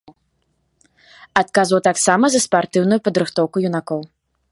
Адказваў таксама за спартыўную падрыхтоўку юнакоў.